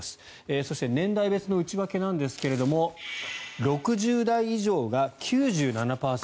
そして、年代別の内訳ですが６０代以上が９７％。